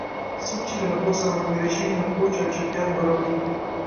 څوک چې له ناپوه سره ملګری شي؛ نو پوچ او چټیات به اوري.